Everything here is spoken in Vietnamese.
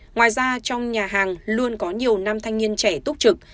ngoài ra trong nhà hàng luôn có nhiều nam thanh niên trẻ túc trực